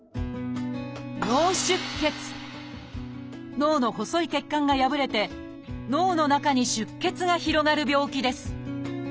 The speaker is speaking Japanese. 脳の細い血管が破れて脳の中に出血が広がる病気です